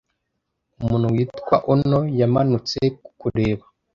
Umuntu witwa Ono yamanutse kukureba.